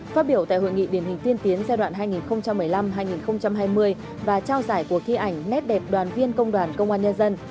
phát biểu tại hội nghị điển hình tiên tiến giai đoạn hai nghìn một mươi năm hai nghìn hai mươi và trao giải cuộc thi ảnh nét đẹp đoàn viên công đoàn công an nhân dân